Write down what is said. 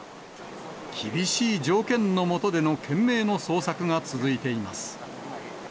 厳しい条件の下での懸命の捜索が続いています。